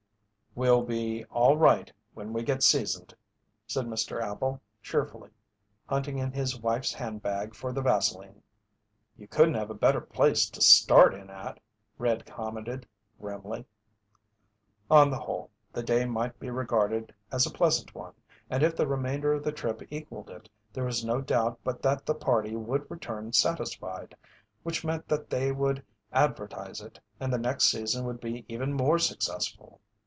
"We'll be all right when we get seasoned," said Mr. Appel, cheerfully, hunting in his wife's handbag for the vaseline. "You couldn't have a better place to start in at," "Red" commented, grimly. On the whole, the day might be regarded as a pleasant one, and if the remainder of the trip equalled it, there was no doubt but that the party would return satisfied, which meant that they would advertise it and the next season would be even more successful.